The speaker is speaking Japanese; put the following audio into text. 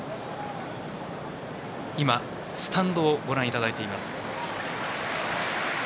スタンドをご覧いただいています。